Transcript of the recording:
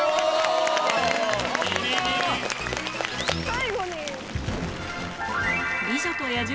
最後に。